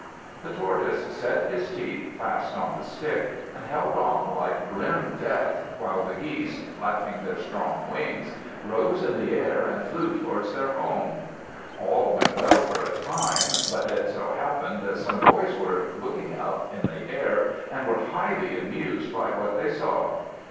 The Tortoise set his teeth fast on the stick, and held on like grim death, while the Geese, flapping their strong wings, rose in the air and flew towards their home. All went well for a time. But it so happened that some boys were looking up in the air, and were highly amused by what they saw.